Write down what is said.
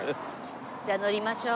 じゃあ乗りましょう。